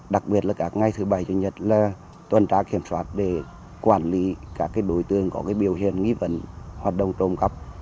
đặc biệt là các ngày thứ bảy chủ nhật là tuần tra kiểm soát để quản lý các đối tượng có biểu hiện nghi vấn hoạt động trộm cắp